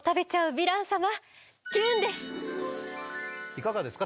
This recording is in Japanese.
いかがですか？